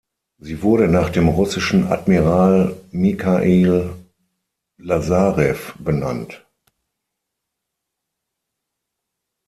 Sie wurde nach dem russischen Admiral Michail Lasarew benannt.